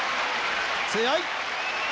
強い。